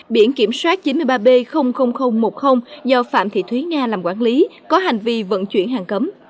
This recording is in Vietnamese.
biển kiểm soát chín mươi ba b một mươi do phạm thị thúy nga làm quản lý có hành vi vận chuyển hàng cấm